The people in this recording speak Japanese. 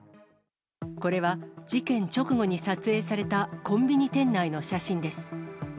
これは事件直後に撮影されたコンビニ店内の写真です。